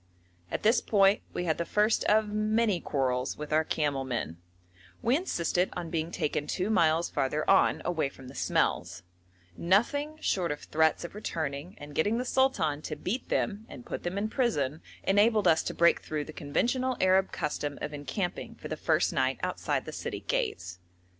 At this point we had the first of many quarrels with our camel men; we insisted on being taken two miles farther on, away from the smells; nothing short of threats of returning and getting the sultan to beat them and put them in prison enabled us to break through the conventional Arab custom of encamping for the first night outside the city gates.